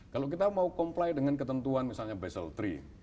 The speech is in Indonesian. kalau kita mau comply dengan ketentuan misalnya basel three